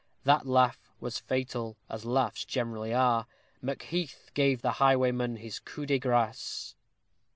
That laugh was fatal, as laughs generally are. Macheath gave the highwayman his coup de grâce.